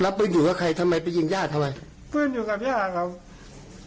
แล้วปืนอยู่กับใครทำไมไปยิงญาติทำไมปืนอยู่กับญาติเขา